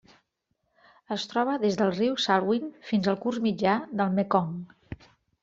Es troba des del riu Salween fins al curs mitjà del Mekong.